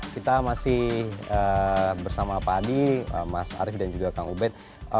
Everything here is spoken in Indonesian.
kita masih bersama pak adi mas arief dan juga kang ubed